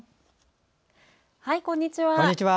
こんにちは。